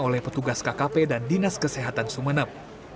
oleh petugas kkp dan dinas kesehatan sumeneb